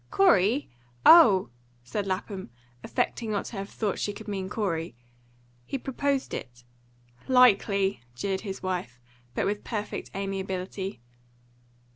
"Corey? Oh!" said Lapham, affecting not to have thought she could mean Corey. "He proposed it." "Likely!" jeered his wife, but with perfect amiability.